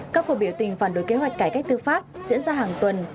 các cuộc biểu tình phản đối kế hoạch cải cách tư pháp diễn ra hàng tuần